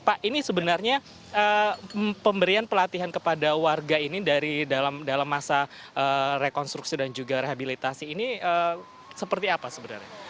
pak ini sebenarnya pemberian pelatihan kepada warga ini dalam masa rekonstruksi dan juga rehabilitasi ini seperti apa sebenarnya